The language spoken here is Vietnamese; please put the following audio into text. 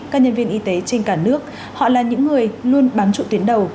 các nhân viên y tế trên cả nước họ là những người luôn bán trụ tiến đầu